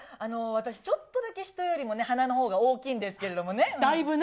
私、ちょっとだけ人よりもね、鼻のほうが大きいんですけれどもだいぶね。